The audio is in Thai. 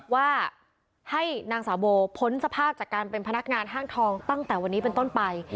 ว่าให้นางสาวโบพ้นสภาพจากการเป็นพนักงานห้างทองตั้งแต่วันนี้เป็นต้นไป